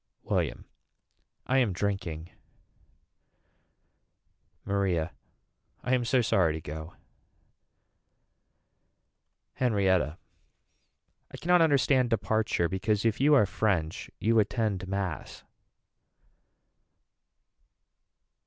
William. I am drinking. Maria. I am so sorry to go. Henrietta. I cannot understand departure because if you are french you attend mass.